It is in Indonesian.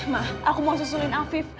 ma aku mau sesuluhin afif